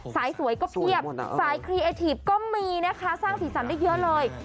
สวยก็เพียบสายครีเอทีฟก็มีนะคะสร้างสีสันได้เยอะเลย